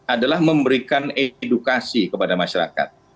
adalah memberikan edukasi kepada masyarakat